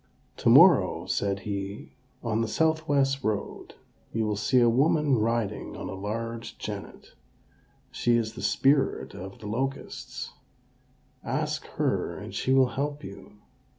"To morrow," said he, "on the south west road, you will see a woman riding on a large jennet: she is the Spirit of the Locusts; ask her, and she will help you."